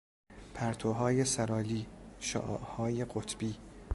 پرتوهای سرالی، شعاعهای قطبی